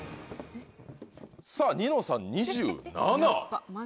さぁニノさん２７。